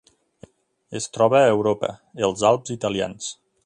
Es troba a Europa: els Alps italians.